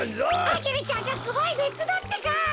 アゲルちゃんがすごいねつだってか！